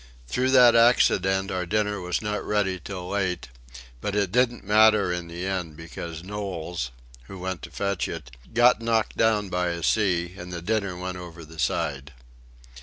Through that accident our dinner was not ready till late, but it didn't matter in the end because Knowles, who went to fetch it, got knocked down by a sea and the dinner went over the side.